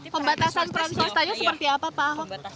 pembatasan peran swastanya seperti apa pak ahok